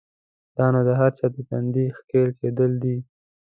دا نو د هر چا د تندي کښل کېدل دی؛